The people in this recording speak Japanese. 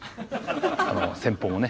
先方もね